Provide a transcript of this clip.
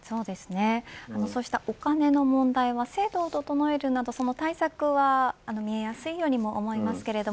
そうしたお金の問題は制度を整えるなどその対策は見えやすいようにも思いますけど。